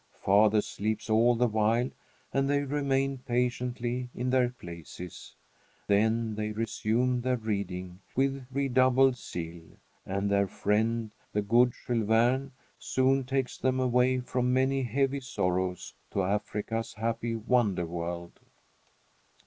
Father sleeps all the while and they remain patiently in their places. Then they resume their reading with redoubled zeal, and their friend, the good Jules Verne, soon takes them away from many heavy sorrows to Africa's happy wonder world.